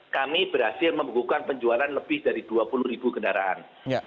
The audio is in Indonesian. kami berhasil membukukan penjualan lebih dari dua puluh ribu kendaraan